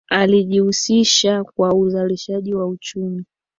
Alijihusisha kwa uzalishaji wa uchumi